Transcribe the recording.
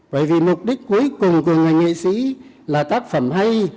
bởi vì mục đích cuối cùng của người nghệ sĩ là tác phẩm hay